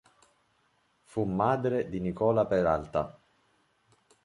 Fu madre di Nicola Peralta.